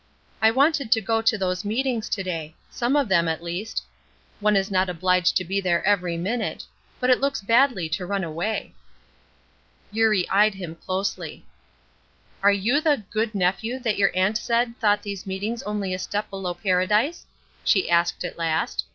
I wanted to go to those meetings to day some of them, at least. One isn't obliged to be there every minute. But it looks badly to run away." Eurie eyed him closely. "Are you the 'good nephew' that your aunt said thought these meetings only a step below paradise?" she asked, at last.